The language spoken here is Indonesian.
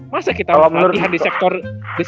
masa kita latihan di sektor tujuh c